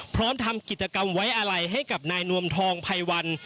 พร้อมทำกิจกรรมไว้อาลัยให้กับนายนวมทองภัยวัน